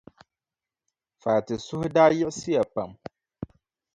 Fati suhu daa yiɣisiya pam.